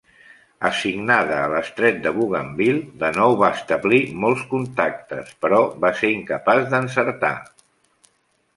Assignada a l'estret de Bougainville, de nou va establir molts contactes, però va ser incapaç d'encertar.